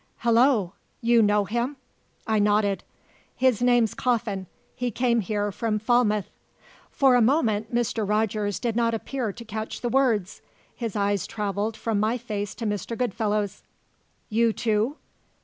"Hallo! You know him?" I nodded. "His name's Coffin. He came here from Falmouth." For a moment Mr. Rogers did not appear to catch the words. His eyes travelled from my face to Mr. Goodfellow's. "You, too?"